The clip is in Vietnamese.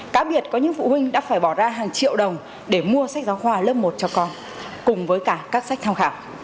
cá biệt có những phụ huynh đã phải bỏ ra hàng triệu đồng để mua sách giáo khoa lớp một cho con cùng với cả các sách tham khảo